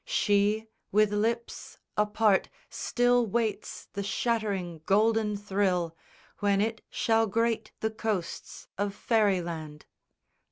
She, with lips Apart, still waits the shattering golden thrill When it shall grate the coasts of Fairyland.